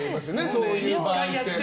そういう場合って。